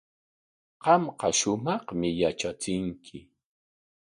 Qamqa shumaqmi yatrachinki.